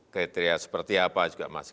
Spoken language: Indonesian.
kriteria seperti apa juga masih